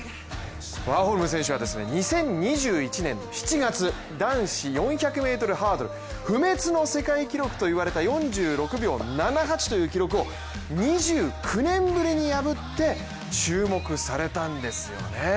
ワーホルム選手は２０２１年７月、男子４００ｍハードル不滅の世界記録といわれた４６秒７８という記録を２９年ぶりにやぶって注目されたんですよね。